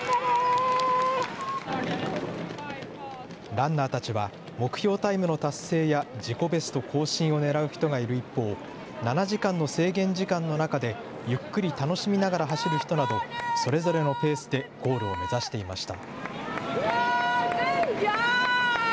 ランナーたちは目標タイムの達成や自己ベスト更新をねらう人がいる一方、７時間の制限時間の中でゆっくり楽しみながら走る人など、それぞれのペースでゴールを目指していました。